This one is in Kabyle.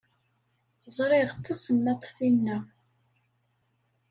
Ẓṛiɣ, d tasemmaḍt tinna.